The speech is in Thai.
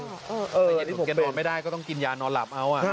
ถ้าเย็นหนุนแกนอนไม่ได้ก็ต้องกินยานอนหลับ